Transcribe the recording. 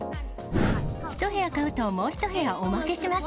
１部屋買うと、もう１部屋おまけします。